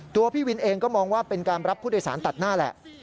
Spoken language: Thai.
พี่วินเองก็มองว่าเป็นการรับผู้โดยสารตัดหน้าแหละ